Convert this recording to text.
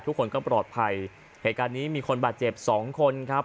ทุกคนก็ปลอดภัยเหตุการณ์นี้มีคนบาดเจ็บสองคนครับ